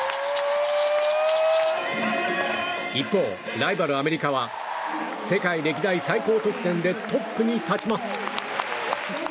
一方、ライバル、アメリカは世界歴代最高得点でトップに立ちます。